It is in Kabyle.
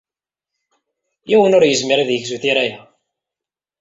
Yiwen ur yezmir ad yegzu tira-a.